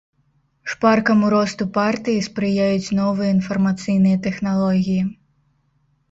Шпаркаму росту партыі спрыяюць новыя інфармацыйныя тэхналогіі.